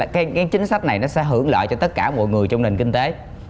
cái chính sách này nó sẽ hưởng lợi cho tất cả mọi người trong nền kinh tế